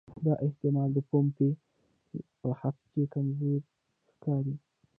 دا احتمال د پومپیو په حق کې کمزوری ښکاري.